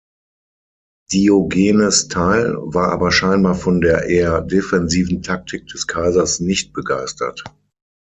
Diogenes teil, war aber scheinbar von der eher defensiven Taktik des Kaisers nicht begeistert.